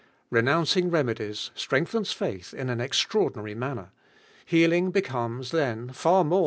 Renouncing remedies, strengthens fulfil in ;in extraordinary manner; healing becomes then, far more DIVINE III AI.